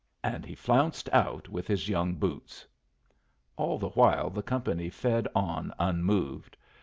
And he flounced out with his young boots. All the while the company fed on unmoved.